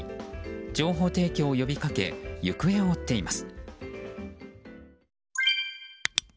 情報提供を呼びかけ行方を追っています。